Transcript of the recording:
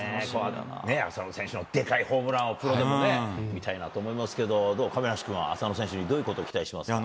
浅野選手のでかいホームランを、プロでもね、見たいなと思いますけど、どう、亀梨君は、浅野選手に、どういうこと期待してますか？